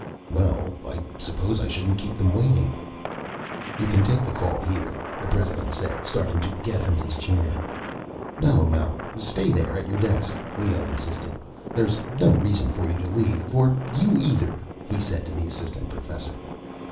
"Well, I suppose I shouldn't keep them waiting." "You can take the call here," the president said, starting to get up from his chair. "No, no, stay there at your desk," Leoh insisted. "There's no reason for you to leave. Or you either," he said to the assistant professor.